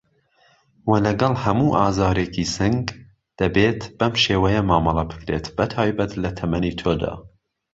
وه لەگەڵ هەموو ئازارێکی سنگ دەبێت بەم شێوەیە مامەڵه بکرێت بەتایبەت لە تەمەنی تۆدا